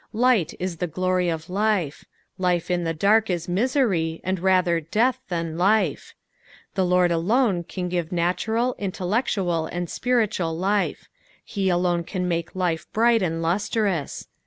Lightia the glory of life. Life in the durk is miserv, and rsther death than life. The Lord &lone can give natural, intellectual, and spiritual life ; he alone can make 178 EXPOSITIONS OS THE PSALUB. life bright and luatroue.